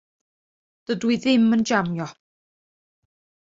Dydw i ddim yn jamio.